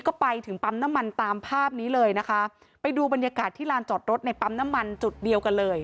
ก็ไปถึงปั๊มน้ำมันตามภาพนี้เลยนะคะไปดูบรรยากาศที่ลานจอดรถในปั๊มน้ำมันจุดเดียวกันเลย